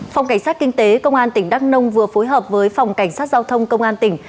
phòng cảnh sát kinh tế công an tỉnh đắk nông vừa phối hợp với phòng cảnh sát giao thông công an tỉnh